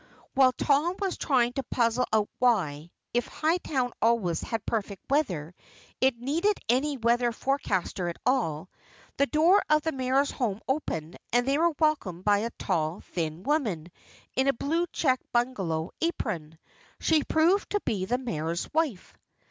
While Tom was trying to puzzle out why, if Hightown always had perfect weather, it needed any weather forecaster at all, the door of the Mayor's home opened and they were welcomed by a tall, thin woman in a blue checked bungalow apron. She proved to be the Mayor's wife.